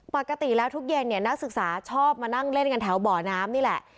ปกติแล้วทุกเย็นเนี่ยนักศึกษาชอบมานั่งเล่นกันแถวบ่อน้ำนี่แหละ